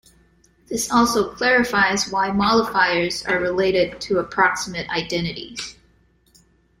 This also clarifies why mollifiers are related to approximate identities.